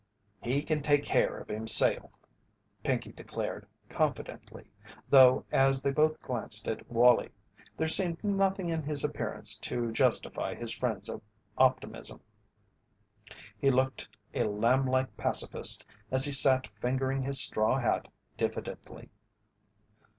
"He can take care of himself," Pinkey declared, confidently; though, as they both glanced at Wallie, there seemed nothing in his appearance to justify his friend's optimism. He looked a lamblike pacifist as he sat fingering his straw hat diffidently.